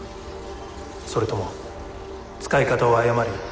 それとも使い方を誤り